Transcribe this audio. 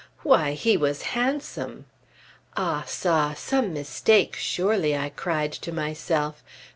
Why, he was handsome! Ah ça! some mistake, surely, I cried to myself.